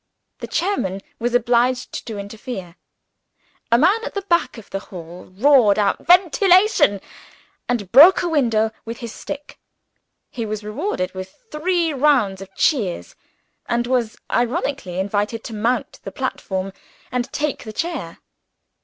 The chairman was obliged to interfere. A man at the back of the hall roared out, "Ventilation!" and broke a window with his stick. He was rewarded with three rounds of cheers; and was ironically invited to mount the platform and take the chair.